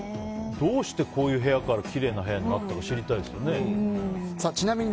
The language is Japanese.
どうしてこういう部屋からきれいになったのか知りたいよね。